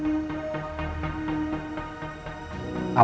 salah salah satu ini